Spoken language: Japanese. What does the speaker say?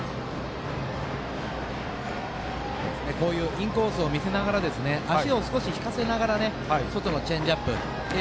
インコースを見せながら足を少しきかせながら外のチェンジアップ。